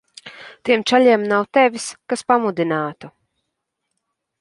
Tiem čaļiem nav tevis, kas pamudinātu.